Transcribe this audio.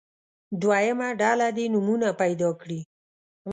دویمه ډله دې نومونه پیدا کړي.